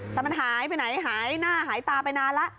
แต่มันหายไปไหนหายหน้าหายตาไปนานแล้ว